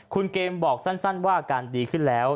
คุณเกมบอกสั้นว่าอาการดีขึ้นแล้ว